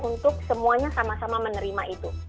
untuk semuanya sama sama menerima itu